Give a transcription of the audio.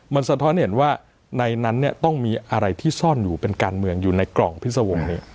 มันสะท้อนเห็นว่าในนั้นต้องมีอะไรที่ซ่อนอยู่เป็นการเมืองอยู่ในกล่องพิษวงศ์